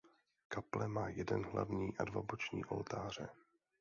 Kaple má jeden hlavní a dva boční oltáře.